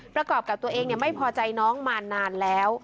ประกอบกับตัวเองไม่พอใจน้องมานานแล้ว